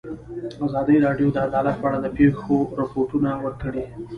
ازادي راډیو د عدالت په اړه د پېښو رپوټونه ورکړي.